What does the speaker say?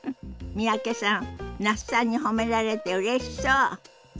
三宅さん那須さんに褒められてうれしそう。